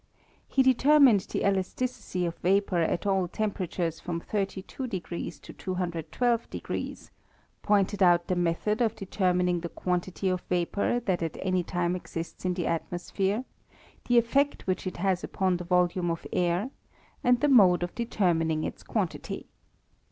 He determined the elasticity of vapour at all tem peratures from 32o to 212°, pointed out the method of determining the quantity of vapour that at any time exists in the atmosphere, the effect which il has upon the volume of air, and the mode of iie> termining its quantity.